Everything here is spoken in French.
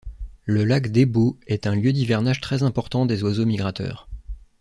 Le lac Débo est un lieu d'hivernage très important des oiseaux migrateurs.